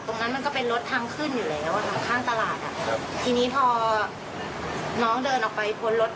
ตรงนั้นมันก็เป็นรถทำขึ้นอยู่แล้วข้างตลาดอ่ะครับทีนี้พอน้องเดินออกไปบนรถ